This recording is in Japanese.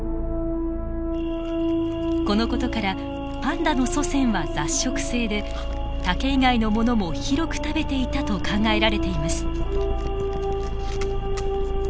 この事からパンダの祖先は雑食性で竹以外のものも広く食べていたと考えられています。